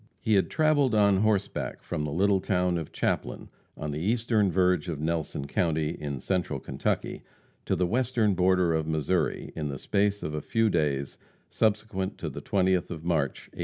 He had traveled on horseback from the little town of Chaplin, on the eastern verge of Nelson county, in Central Kentucky, to the western border of Missouri, in the space of a few days subsequent to the 20th of March, 1869.